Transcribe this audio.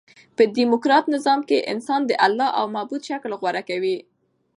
په ډیموکراټ نظام کښي انسان د اله او معبود شکل غوره کوي.